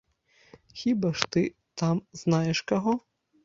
Хіба ж ты там знаеш каго?